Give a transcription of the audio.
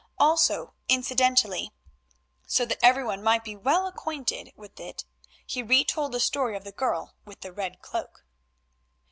Also, incidentally, so that every one might be well acquainted with it, he retold the story of the girl with the red cloak.